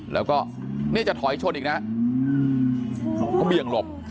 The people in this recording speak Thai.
แล้วก็นี่จะถอยชนอีกนะเขาเบี่ยงหลบ